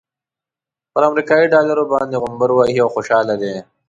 پر امريکايي ډالرو باندې غومبر وهي او خوشحاله دی.